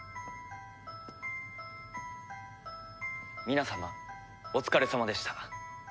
皆様お疲れさまでした。